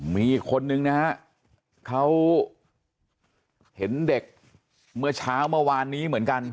มีอีกคนนึงนะฮะเขาเห็นเด็กเมื่อเช้าเมื่อวานนี้เหมือนกัน